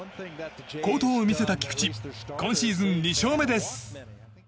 好投を見せた菊池今シーズン２勝目です。